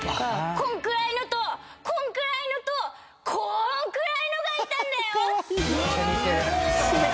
「こんくらいのとこんくらいのとこーんくらいのがいたんだよ！」